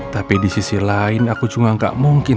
tapi di sisi lain aku juga gak mungkin